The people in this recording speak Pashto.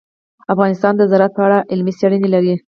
افغانستان د زراعت په اړه علمي څېړنې لري.